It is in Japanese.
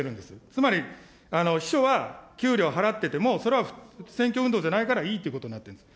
つまり秘書は給料払ってても、それは選挙運動じゃないからいいってことになってるんです。